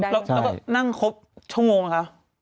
แล้วก็นั่งครบชั่วโมงไหมคะ